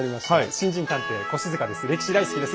新人探偵越塚です。